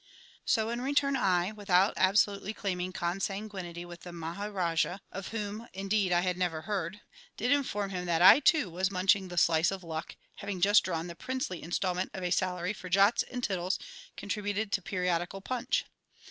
So, in return, I, without absolutely claiming consanguinity with the Maharajah (of whom, indeed, I had never heard), did inform him that I, too, was munching the slice of luck, having just drawn the princely instalment of a salary for jots and tittles contributed to periodical Punch.